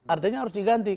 artinya harus diganti